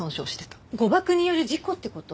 誤爆による事故って事？